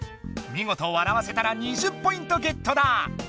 みごと笑わせたら２０ポイントゲットだ！